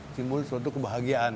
simbol itu kebahagiaan